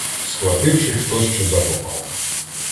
Схвативши хто що запопав: